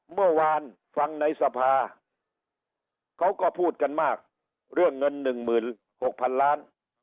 เมื่อวานฟังในสภาเขาก็พูดกันมากเรื่องเงินหนึ่งหมื่นหกพันล้าน